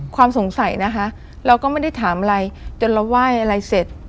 ความสงสัยนะคะเราก็ไม่ได้ถามอะไรจนเราไหว้อะไรเสร็จ